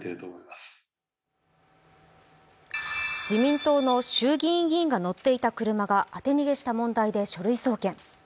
自民党の衆議院議員が乗っていた車が当て逃げした疑いで書類送検。